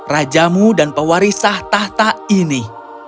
rajamu dan pewarisah tahta ini